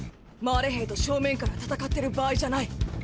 マーレ兵と正面から戦ってる場合じゃない。